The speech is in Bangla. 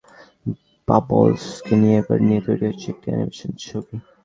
সেই তারকাখ্যাতি পাওয়া শিম্পাঞ্জি বাবলসকে নিয়েই এবার তৈরি হচ্ছে একটি অ্যানিমেশন ছবি।